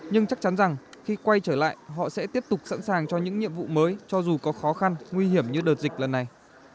nhưng chắc chắn rằng khi quay trở lại họ sẽ tiếp tục sẵn sàng cho những nhiệm vụ mới cho dù có khó khăn nguy hiểm như đợt dịch lần này